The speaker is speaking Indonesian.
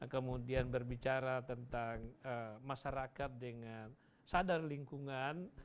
kemudian berbicara tentang masyarakat dengan sadar lingkungan